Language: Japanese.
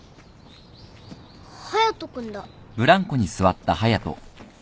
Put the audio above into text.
隼人君だ。